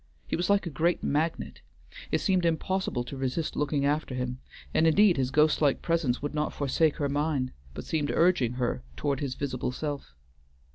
He was like a great magnet: it seemed impossible to resist looking after him, and indeed his ghost like presence would not forsake her mind, but seemed urging her toward his visible self.